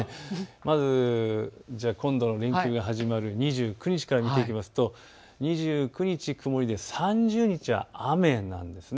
まず連休が始まる２９日から見ていくと、２９日曇りで３０日は雨なんです。